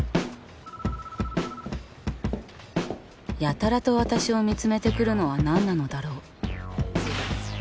やたらと私を見つめてくるのは何なのだろう。